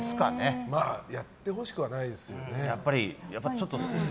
やってほしくはないですよね。